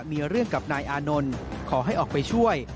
มีเรื่องกับนายอานนท์ขอให้ออกไปช่วย